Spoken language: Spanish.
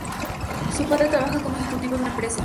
Su padre trabajaba como ejecutivo de una empresa.